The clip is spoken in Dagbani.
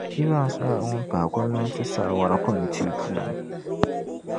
Evans nyɛla pahi gɔmnanti saawara kɔmitii puuni